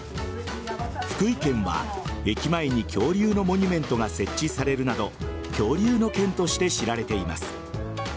福井県は駅前に恐竜のモニュメントが設置されるなど恐竜の県として知られています。